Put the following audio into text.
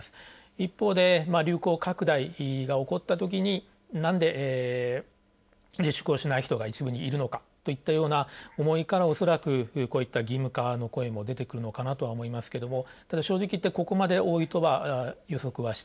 一方で流行拡大が起こったときに何で自粛をしない人が一部にいるのかといったような思いから恐らくこういった義務化の声も出てくるのかなとは思いますけどもただ正直言ってここまで多いとは予測はしていませんでした。